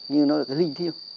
như nó là cái linh thiêng